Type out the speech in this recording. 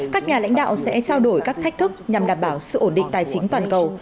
các nhà lãnh đạo sẽ trao đổi các thách thức nhằm đảm bảo sự ổn định tài chính toàn cầu